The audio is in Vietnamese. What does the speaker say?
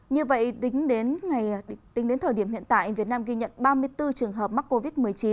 như vậy tính đến thời điểm hiện tại việt nam ghi nhận ba mươi bốn trường hợp mắc covid một mươi chín